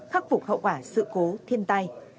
khắc phục hậu quả sự cố thiên tai